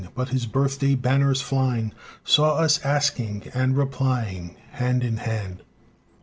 But his birthday banners flying Saw us asking and replying Hand to hand.